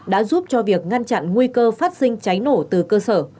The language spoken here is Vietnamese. đã giúp cho việc ngăn chặn nguy cơ phát sinh cháy nổ từ cơ sở